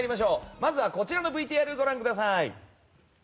まずはこちらのＶＴＲをご覧ください。